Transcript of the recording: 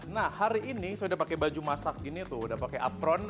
nah hari ini saya udah pakai baju masak gini tuh udah pakai apron